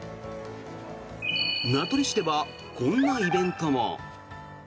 名取市ではこんなイベントも。